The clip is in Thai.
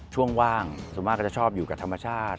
ช่วงว่างส่วนมากก็จะชอบอยู่กับธรรมชาติ